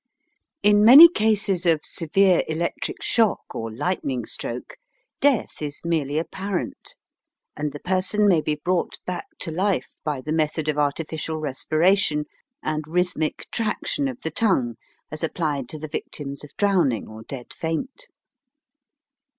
In many cases of severe electric shock or lightning stroke, death is merely apparent, and the person may be brought back to life by the method of artificial respiration and rhythmic traction of the tongue, as applied to the victims of drowning or dead faint.